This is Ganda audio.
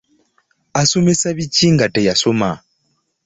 Asomesa biki nga teyasoma?